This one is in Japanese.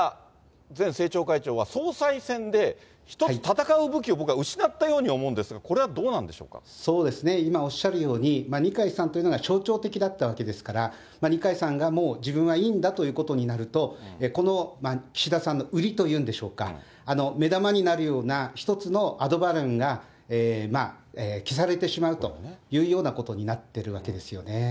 前政調会長は、総裁選で一つ戦う武器を僕は失ったように思うんですが、これはどそうですね、今、おっしゃるように、二階さんというのが象徴的だったわけですから、二階さんがもう自分はいいんだということになると、この岸田さんの売りというんでしょうか、目玉になるような１つのアドバルーンが、まあ、消されてしまうというようなことになってるんですよね。